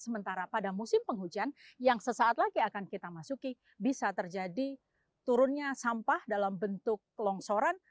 sementara pada musim penghujan yang sesaat lagi akan kita masuki bisa terjadi turunnya sampah dalam bentuk longsoran